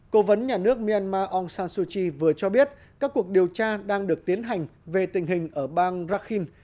cố vấn nhà nước myanmar aung san suu kyi vừa cho biết các cuộc điều tra đang được tiến hành về tình hình ở bang rakhin